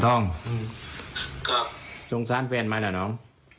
โทรศัพท์แฟนมาน่ะหนอง